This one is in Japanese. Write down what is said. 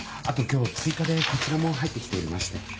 あと今日追加でこちらも入って来ておりまして。